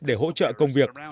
để hỗ trợ công việc